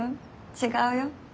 違うよ。